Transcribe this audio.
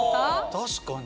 確かに。